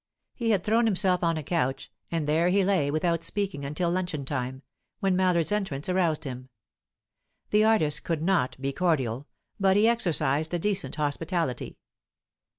He had thrown himself on a couch, and there he lay without speaking until luncheon time, when Mallard's entrance aroused him. The artist could not be cordial, but he exercised a decent hospitality.